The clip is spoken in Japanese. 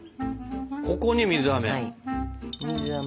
ここに水あめ。